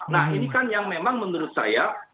nah ini kan yang memang menurut saya